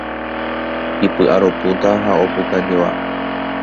Ipy'aropúta ha opukajoa